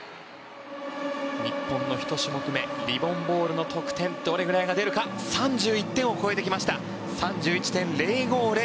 日本の１種目めリボン・ボールの得点３１点を超えてきました。３１．０５０。